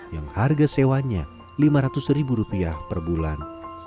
yang harga sewanya rp lima ratus per bulan